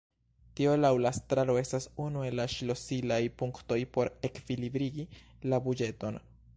Tio laŭ la estraro estas unu el la ŝlosilaj punktoj por ekvilibrigi la buĝeton.